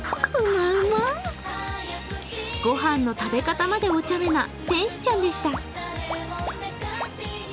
御飯の食べ方までお茶目な天使ちゃんでした。